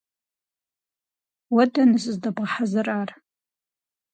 Уэ дэнэ зыздэбгъэхьэзырар?